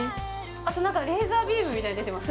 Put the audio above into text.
あと、なんかレーザービームみたいのが出てます。